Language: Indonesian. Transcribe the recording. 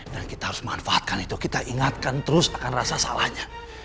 dan kita harus manfaatkan itu kita ingatkan terus akan rasa salahnya